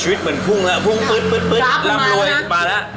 ชีวิตเหมือนพุ่งพุ่งปึ๊ดลำรวยมาแล้ว